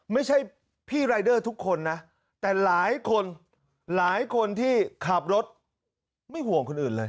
ไม่ใช่พี่รายเดอร์ทุกคนนะแต่หลายคนหลายคนที่ขับรถไม่ห่วงคนอื่นเลย